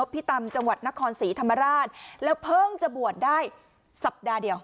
พิตำจังหวัดนครศรีธรรมราชแล้วเพิ่งจะบวชได้สัปดาห์เดียว